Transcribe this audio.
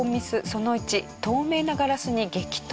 その１透明なガラスに激突。